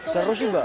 seru sih mbak